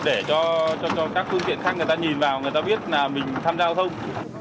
để cho các phương tiện khác người ta nhìn vào người ta biết là mình tham gia giao thông